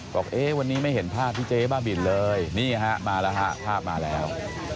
บอกเอ๊ะวันนี้ไม่เห็นภาพที่เจ๊บ้าบินเลยนี่ฮะมาแล้วฮะภาพมาแล้ว